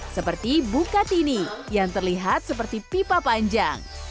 seperti bukatini yang terlihat seperti pipa panjang